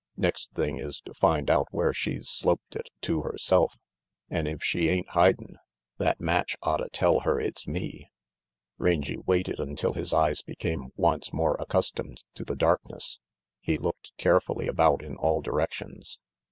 "Next thing is to find out where she's sloped it to herself. An' if she ain't hidin', that match otta tell her it's me." Rangy waited until his eyes became once more accustomed to the darkness. He looked carefully about in all directions.